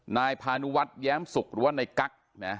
นายพานุวัฒน์แย้มสุกหรือว่านายกั๊กนะ